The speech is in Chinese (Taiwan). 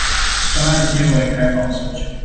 專案皆為開放授權